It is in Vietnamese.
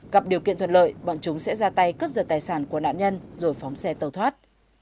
gặp điều kiện thuận lợi bọn chúng sẽ ra tay cướp giật tài sản của nạn nhân rồi phóng xe tàu thoát